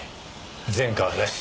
前科はなし。